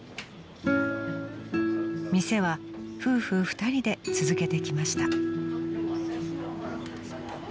［店は夫婦２人で続けてきました］